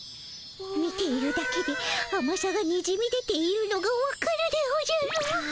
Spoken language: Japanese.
見ているだけであまさがにじみ出ているのがわかるでおじゃる。